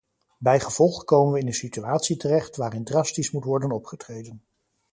Bijgevolg komen we in een situatie terecht waarin drastisch moet worden opgetreden.